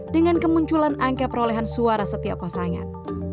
dengan kemunculan angka perolehan suara setiap pasangan